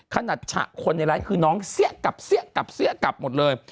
ฉะคนในไลฟ์คือน้องเสี้ยกลับเสี้ยกลับเสี้ยกลับหมดเลย